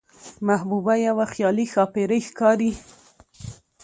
محبوبه يوه خيالي ښاپېرۍ ښکاري،